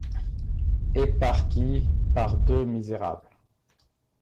Et par qui? par deux misérables.